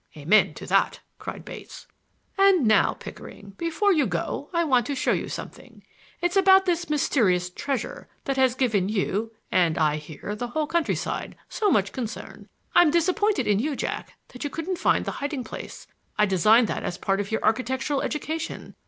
"Amen to that!" cried Bates. "And now, Pickering, before you go I want to show you something. It's about this mysterious treasure, that has given you—and I hear, the whole countryside—so much concern. I'm disappointed in you, Jack, that you couldn't find the hiding place. I designed that as a part of your architectural education.